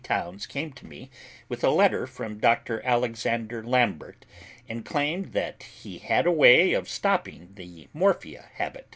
Towns came to me with a letter from Dr. Alexander Lambert and claimed that he had a way of stopping the morphia habit.